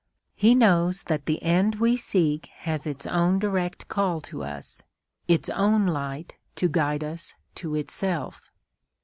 He knows that the end we seek has its own direct call to us, its own light to guide us to itself.